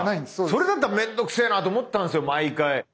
それだったら面倒くせえなと思ったんですよ毎回。